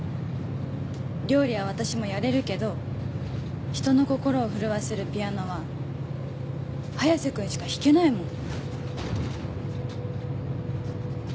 料理は私もやれるけど人の心を震わせるピアノは早瀬君しか弾けないもん。